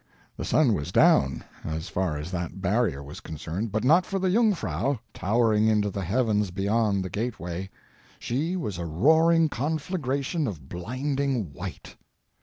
The sun was down—as far as that barrier was concerned, but not for the Jungfrau, towering into the heavens beyond the gateway. She was a roaring conflagration of blinding white.